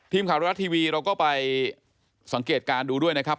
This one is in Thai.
ทีมข่าวไทยรัฐทีวีเราก็ไปสังเกตการณ์ดูด้วยนะครับ